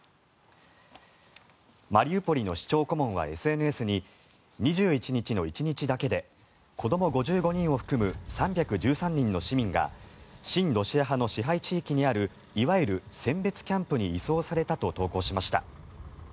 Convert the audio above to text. マリウポリの市長顧問はＳＮＳに２１日の１日だけで子ども５５人を含む３１３人の市民が親ロシア派の支配地域にあるいわゆる選別キャンプに移送されたと投稿しました。